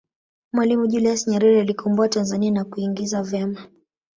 mwalimu julius nyerere aliikomboa tanzania na kuingiza vema